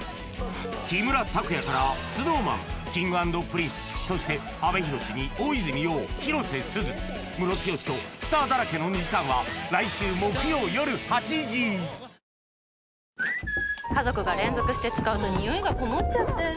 木村拓哉からＳｎｏｗＭａｎＫｉｎｇ＆Ｐｒｉｎｃｅそして阿部寛に大泉洋広瀬すずムロツヨシとスターだらけの２時間は来週木曜よる８時メイン料理に必要なのはボリュームとバランス。